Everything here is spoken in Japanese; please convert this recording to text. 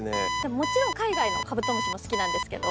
もちろん海外のカブトムシも好きなんですけど。